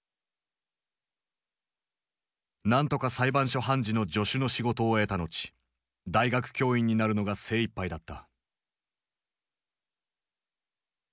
何とか裁判所判事の助手の仕事を得た後大学教員になるのが精いっぱいだった。